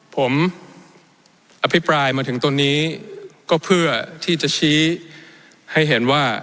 ผมอภิปรายมาถึงตรงนี้ก็เพื่อที่จะชี้ให้เห็นว่า